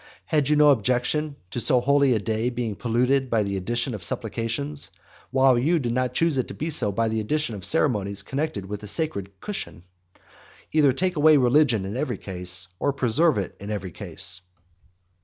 Had you no objection to so holy a day being polluted by the addition of supplications, while you did not choose it to be so by the addition of ceremonies connected with a sacred cushion? Either take away religion in every case, or preserve it in every case.